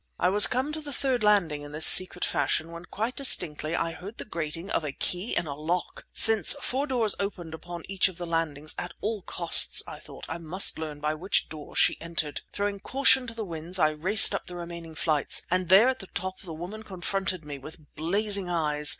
I was come to the third landing in this secret fashion when quite distinctly I heard the grating of a key in a lock! Since four doors opened upon each of the landings, at all costs, I thought, I must learn by which door she entered. Throwing caution to the winds I raced up the remaining flights ... and there at the top the woman confronted me, with blazing eyes!